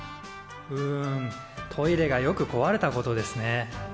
うんトイレがよくこわれたことですね。